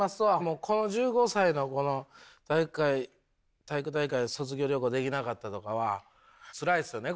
この１５歳のこの体育大会卒業旅行できなかったとかはつらいっすよね